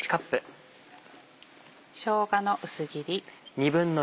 しょうがの薄切り。